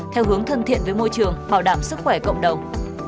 theo hướng thân thiện với môi trường bảo đảm sức khỏe cộng đồng